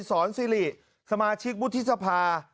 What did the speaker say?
สอนซิริสมาชิกวุฒิสภา